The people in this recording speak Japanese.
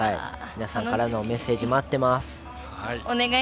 皆さんからのメッセージ待ってます！